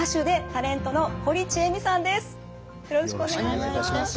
よろしくお願いします。